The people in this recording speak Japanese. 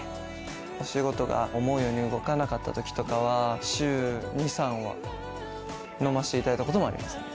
お仕事が思うように動かなかった時とかは週２３は飲ましていただいたこともあります。